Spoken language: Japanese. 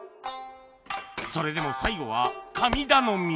それでも最後は神頼み！